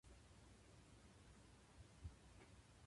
給料が上がった。